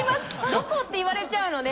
どこ？って言われちゃうので。